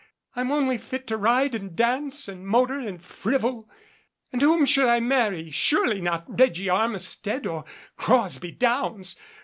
I'm only fit to ride and dance and motor and frivol. And whom should I marry? Surely not Reggie Armistead or Crosby Downs